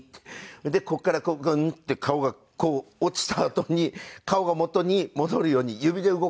でここからグーンって顔がこう落ちたあとに顔が元に戻るように指で動かすんですけど。